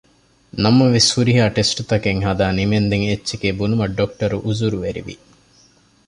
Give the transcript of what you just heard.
ނަމަވެސް ހުރިހާ ޓެސްޓުތަކެއް ހަދާ ނިމެންދެން އެއްޗެކޭ ބުނުމަށް ޑޮކްޓަރު އުޒުރުވެރި ވި